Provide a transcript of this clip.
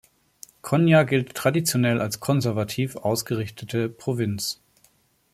Konya gilt traditionell als konservativ ausgerichtete Provinz.